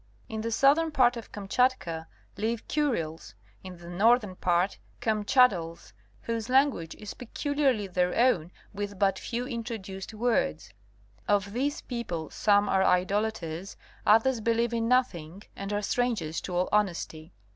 In the southern part of Kamchatka live Kuriles, in the northern part Kamchadales, whose language is peculiarly their own with but few introduced words. Of these people some are idolaters, others believe in nothing and are strangers to all honesty.